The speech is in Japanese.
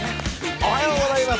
おはようございます。